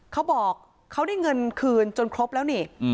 เขาบอกเขาได้เงินคืนจนครบแล้วนี่